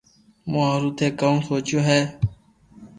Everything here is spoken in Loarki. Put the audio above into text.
مون ھارو ٿي ڪاو سوچيو ھي